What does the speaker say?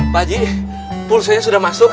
pak ji pulsa nya sudah masuk